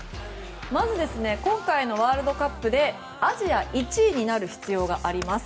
まず今回のワールドカップでアジア１位になる必要があります。